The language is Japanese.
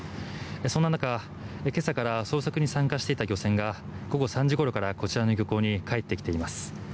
そんな中、今朝から捜索に参加していた漁船が午後３時ごろからこちらの漁港に帰ってきています。